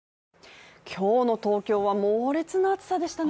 今日の東京は猛烈な暑さでしたね。